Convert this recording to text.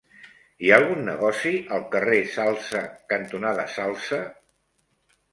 Hi ha algun negoci al carrer Salze cantonada Salze?